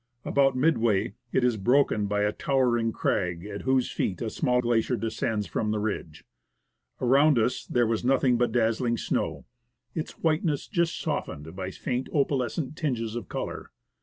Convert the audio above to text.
About midway it is broken by a tower ing crag, at whose feet a small glacier descends from the ridge. Around us there was nothing but dazzling snow, its whiteness just softened by faint opalescent tinges of colour.